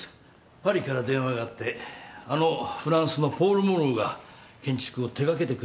パリから電話があってあのフランスのポール・モローが建築を手掛けてくれることになった。